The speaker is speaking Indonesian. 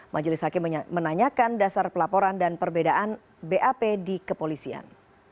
majelis hakim menanyakan dasar pelaporan dan perbedaan bap di kepolisian